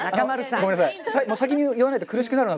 ごめんなさい。